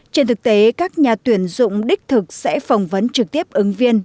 trên thực tế các nhà tuyển dụng đích thực sẽ phỏng vấn trực tiếp ứng viên